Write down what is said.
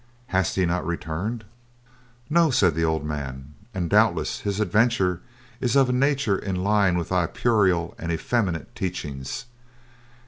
Has he not returned?" "No," said the old man, "and doubtless his adventure is of a nature in line with thy puerile and effeminate teachings.